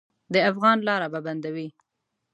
د افغان لاره به بندوي.